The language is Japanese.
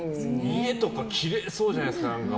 家とかきれいそうじゃないですか。